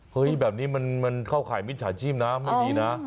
แบบนี้มันเข้าข่ายมิจฉาชีพนะไม่ดีนะ